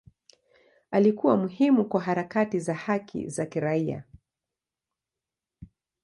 Alikuwa muhimu kwa harakati za haki za kiraia.